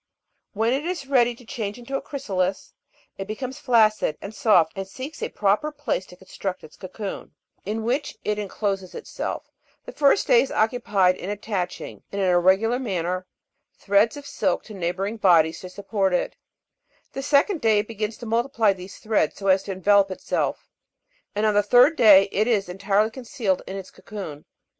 When it is ready to change into a chrysalis, it becomes flaccid and soft, and seeks a proper place to construct its cocoon, in which it encloses itself; the first day is occupied in attaching, in an irregular manner, threads of silk to neighbouring bodies to support it ; the second day it begins to multiply these threads so as to envelope itself; and on the third day it is entirely concealed in its cocoon.